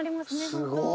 すごい！